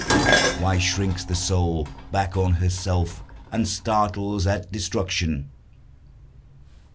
Why shrinks the soul Back on herself, and startles at destruction?